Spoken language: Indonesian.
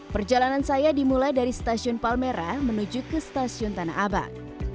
perjalanan saya dimulai dari stasiun palmera menuju ke stasiun tanah abang